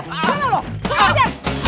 gak ada siapa satu